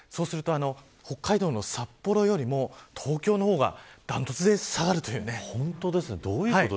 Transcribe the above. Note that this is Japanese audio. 北海道の札幌よりも東京の方が断トツで下がるという。